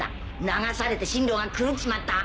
流されて針路が狂っちまった。